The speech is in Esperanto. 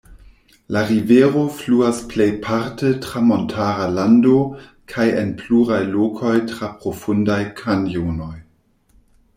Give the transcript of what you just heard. La rivero fluas plejparte tra montara lando kaj en pluraj lokoj tra profundaj kanjonoj.